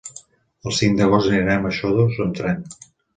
El cinc d'agost anirem a Xodos amb tren.